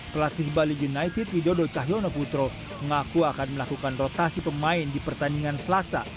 pelatih bali united widodo cahyono putro mengaku akan melakukan rotasi pemain di pertandingan selasa